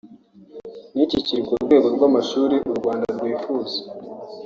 ntikikiri ku rwego rw’amashuri u Rwanda rwifuza